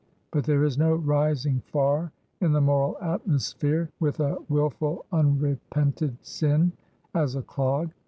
But there is no rising far in the moral atmosphere with a wilful, unrepented sin as a clog.